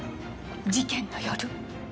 事件の夜。